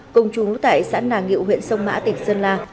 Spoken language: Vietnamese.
cùng chú tại xã nà ngự huyện sông mã tỉnh sơn la